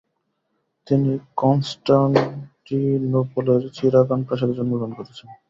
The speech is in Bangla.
তিনি কনস্টান্টিনোপলের চিরাগান প্রাসাদে জন্মগ্রহণ করেছেন।